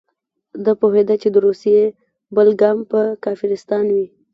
ده پوهېده چې د روسیې بل ګام به کافرستان وي.